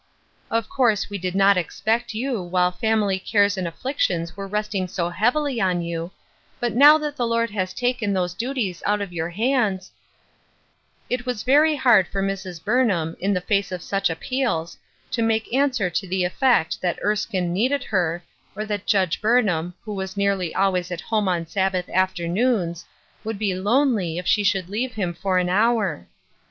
Of course we did not expect you, while family cares and afflictions were resting so heavily on you, but now that the Lord has taken those duties out of your hands" — It was very hard for Mrs. Burnham, in the face of such appeals, to make answer to the effect that Erskine needed her, or that Judge Burnham, who " NEXT MOST. 295 was nearly always at home on Sabbath afternoons, would be lonely if she should leave him for an hour.